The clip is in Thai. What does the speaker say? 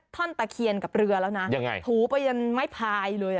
ตะเคียนกับเรือแล้วนะยังไงถูไปยันไม้พายเลยอ่ะ